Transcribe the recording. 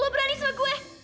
lu berani sama gue